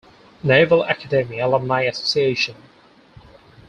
Naval Academy Alumni Association.